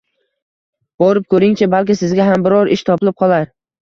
Borib ko`ring-chi, balki sizga ham biror ish topilib qolar